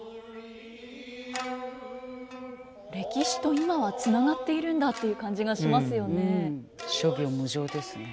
歴史と今はつながっているんだという感じがしますよね。